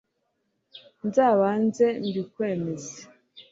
nza banze mbi kwe meze